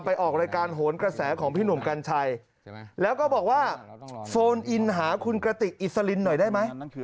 ออกรายการโหนกระแสของพี่หนุ่มกัญชัยแล้วก็บอกว่าโฟนอินหาคุณกระติกอิสลินหน่อยได้ไหม